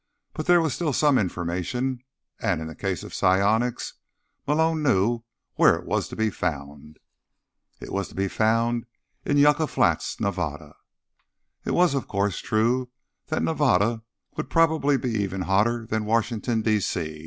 But there was still some information, and, in the case of psionics, Malone knew where it was to be found. It was to be found in Yucca Flats, Nevada. It was, of course, true that Nevada would probably be even hotter than Washington, D. C.